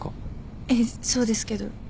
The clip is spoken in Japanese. ええそうですけど。